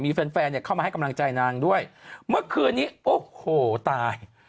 มีแฟนแฟนเนี่ยเข้ามาให้กำลังใจนางด้วยเมื่อคืนนี้โอ้โหตาย